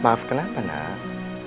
maaf kenapa nak